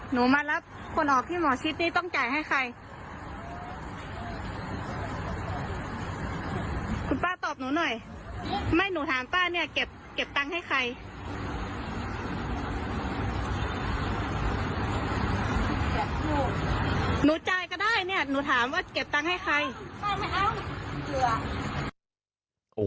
หนูจ่ายก็ได้เนี่ยหนูถามว่าเก็บตังค์ให้ใคร